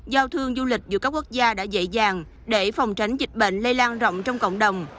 giao thương du lịch giữa các quốc gia đã dễ dàng để phòng tránh dịch bệnh lây lan rộng trong cộng đồng